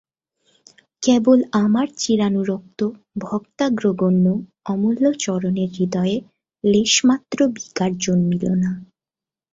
কেবল আমার চিরানুরক্ত ভক্তাগ্রগণ্য অমূল্যচরণের হৃদয়ে লেশমাত্র বিকার জন্মিল না।